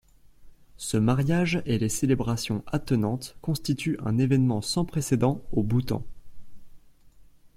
Ce mariage et les célébrations attenantes constituent un événement sans précédent au Bhoutan.